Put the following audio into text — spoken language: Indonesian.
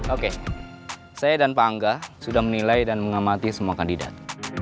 oke saya dan pak angga sudah menilai dan mengamati semua kandidat